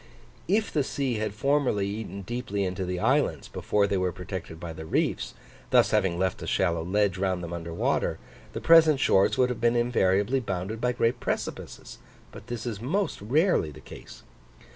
If the sea had formerly eaten deeply into the islands, before they were protected by the reefs, thus having left a shallow ledge round them under water, the present shores would have been invariably bounded by great precipices, but this is most rarely the case.